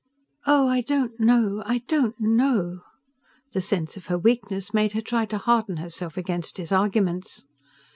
"Oh, I don't know...I don't know..." The sense of her weakness made her try to harden herself against his arguments.